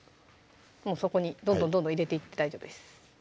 そこにどんどんどんどん入れていって大丈夫です